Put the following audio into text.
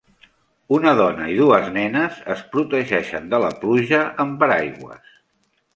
Una dona i dues nenes es protegeixen de la pluja amb paraigües.